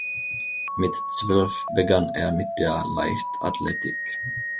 Mit zwölf begann er mit der Leichtathletik.